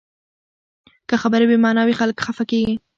که خبرې بې معنا وي، خلک خفه کېږي